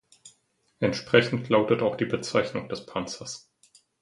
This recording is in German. Entsprechend lautet auch die Bezeichnung des Panzers.